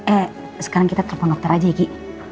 eh sekarang kita telepon dokter aja ya ki